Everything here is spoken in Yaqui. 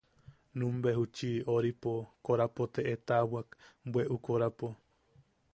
Numbe juchi... oripo... korapo te etawak, bweʼu korapo.